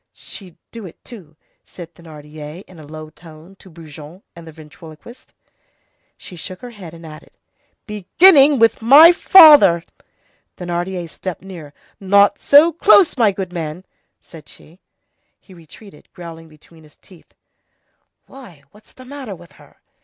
"She'd do it, too," said Thénardier in a low tone to Brujon and the ventriloquist. She shook her head and added:— "Beginning with my father!" Thénardier stepped nearer. "Not so close, my good man!" said she. He retreated, growling between his teeth:— "Why, what's the matter with her?"